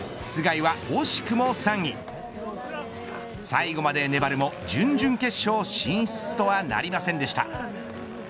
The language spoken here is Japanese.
須貝はお惜しくも３位最後まで粘るも準々決勝進出とはなりませんでした。